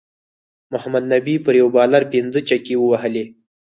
محمد نبی پر یو بالر پنځه چکی ووهلی